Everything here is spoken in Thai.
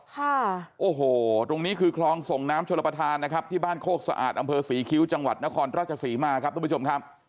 ค่ะโอ้โหตรงนี้คือคลองส่งน้ำชลประธานนะครับที่บ้านโคกสะอาดอำเภอศรีคิ้วจังหวัดนครราชศรีมาครับทุกผู้ชมครับ